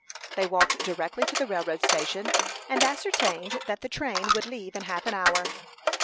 They walked directly to the railroad station, and ascertained that the train would leave in half an hour.